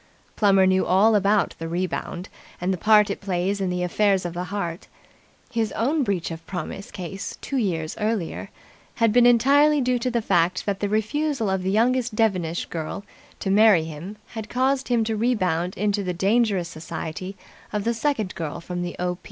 Plummer knew all about the Rebound and the part it plays in the affairs of the heart. His own breach of promise case two years earlier had been entirely due to the fact that the refusal of the youngest Devenish girl to marry him had caused him to rebound into the dangerous society of the second girl from the O.